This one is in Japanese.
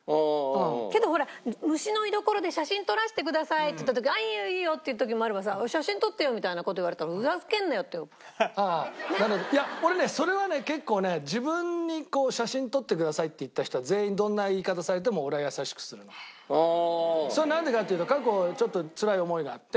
けどほら虫の居どころで「写真撮らせてください」って言った時「いいよいいよ」って言う時もあればさ「写真撮ってよ」みたいな事言われたら「ふざけんなよ！」ってねっ。いや俺ねそれはね結構ね自分に「写真撮ってください」って言った人は全員それはなんでかっていうと過去ちょっとつらい思いがあって。